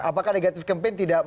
apakah negatif campaign tidak